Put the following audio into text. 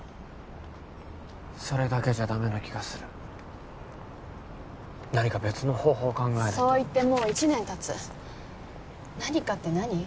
それだけじゃダメな気がする何か別の方法を考えないとそう言ってもう１年たつ何かって何？